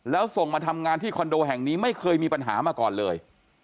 แล้วส่งมาทำงานที่คอนโดแห่งนี้ไม่เคยมีปัญหามาก่อนเลย